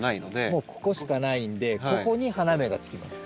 もうここしかないんでここに花芽がつきます。